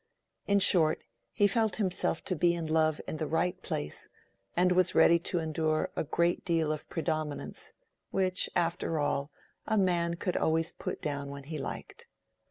In short, he felt himself to be in love in the right place, and was ready to endure a great deal of predominance, which, after all, a man could always put down when he liked.